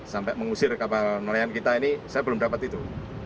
sampai mengusir kapal nelayan kita ini saya belum dapat itu